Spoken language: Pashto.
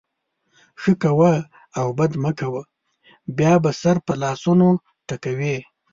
ښه کوه او بد مه کوه؛ بیا به سر په لاسونو ټکوې.